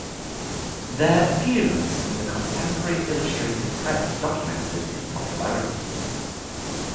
Their appearance in the contemporary illustrated press documented his popularity.